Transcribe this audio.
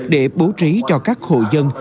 để bố trí cho các hộ dân